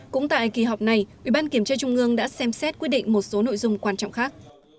cũng tại kỳ họp này ủy ban kiểm tra trung ương đã xem xét quyết định một số nội dung quan trọng khác